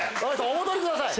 お戻りください。